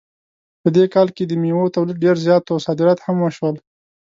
په دې کال کې د میوو تولید ډېر زیات و او صادرات هم وشول